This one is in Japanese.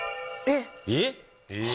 えっ⁉